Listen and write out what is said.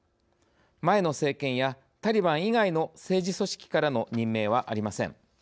前の政権やタリバン以外の政治組織からの任命はありません。